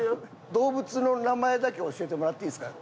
動物の名前だけ教えてもらっていいですか？